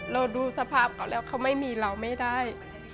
ดูสภาพเขาแล้วเขาไม่มีเราไม่ได้